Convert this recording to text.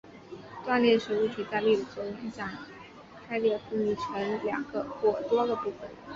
断裂指物体在力的作用下开裂分离成两个或多个部分。